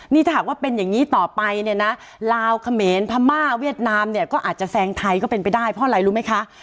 นี่ถ้าหากว่าเป็นอย่างนี้ต่อไปเนี่ยนะลาวเขมรพม่าเวียดนามเนี่ยก็อาจจะแซงไทยก็เป็นไปได้เพราะอะไรรู้ไหมคะ